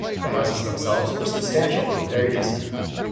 The houses themselves were substantial and very decent.